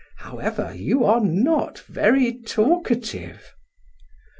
However, you are not very talkative."